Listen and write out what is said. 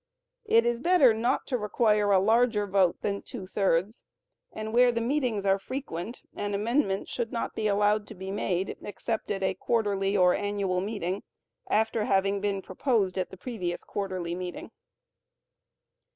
It is better not to require a larger vote than two thirds, and, where the meetings are frequent, an amendment should not be allowed to be made except at a quarterly or annual meeting, after having been proposed at the previous quarterly meeting.